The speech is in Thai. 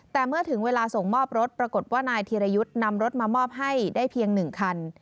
แต่เมื่อถึงเวลาส่งมอบรถปรากฏว่านายธีรยุทธ์นำรถมามอบให้ได้เพียง๑คัน